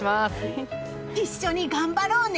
一緒に頑張ろうね！